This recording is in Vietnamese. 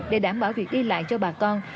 để đảm bảo việc đi lại cho bà con